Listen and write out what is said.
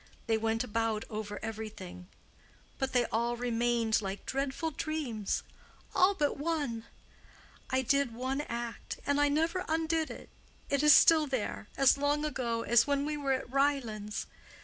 They went about over everything; but they all remained like dreadful dreams—all but one. I did one act—and I never undid it—it is there still—as long ago as when we were at Ryelands.